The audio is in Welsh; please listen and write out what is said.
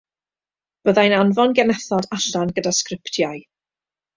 Byddai'n anfon genethod allan gyda sgriptiau.